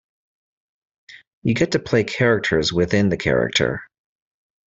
You get to play characters within the character.